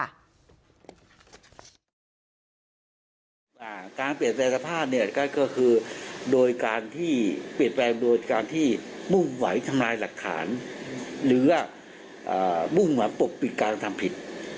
การเปลี่ยนแปลงสภาพเนี่ยก็คือโดยการที่เปลี่ยนแปลงโดยการที่มุ่งไหวทำลายหลักฐานหรือว่ามุ่งหวังปกปิดการทำผิด